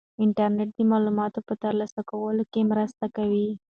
انټرنيټ د معلوماتو په ترلاسه کولو کې مرسته کوي.